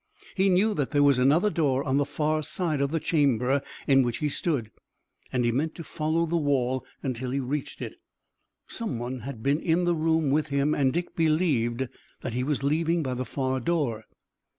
He knew that there was another door on the far side of the chamber in which he stood, and he meant to follow the wall until he reached it. Some one had been in the room with him and Dick believed that he was leaving by the far door.